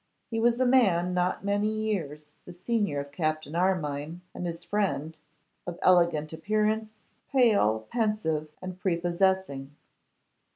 He was a man not many years the senior of Captain Armine and his friend; of elegant appearance, pale, pensive, and prepossessing.